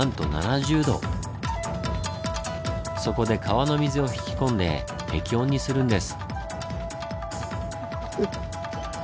そこで川の水を引き込んで適温にするんです。